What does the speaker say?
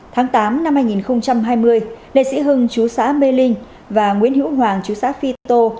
tháng tám năm hai nghìn hai mươi liệt sĩ hưng chú xã mê linh và nguyễn hữu hoàng chú xã phi tô